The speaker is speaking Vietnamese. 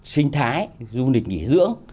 sinh thái du lịch nghỉ dưỡng